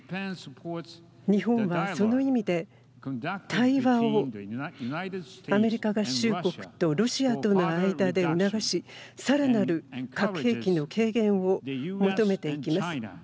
日本は、その意味で対話を、アメリカ合衆国とロシアとの間で促しさらなる核兵器の軽減を求めていきます。